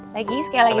lagi sekali lagi